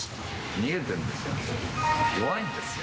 逃げてるんですよ。